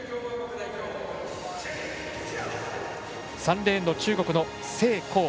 ３レーンの中国の成こう。